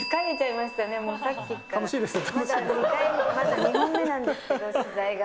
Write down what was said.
まだ２本目なんですけど、取材が。